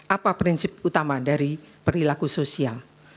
apa prinsip utama dari perilaku sosial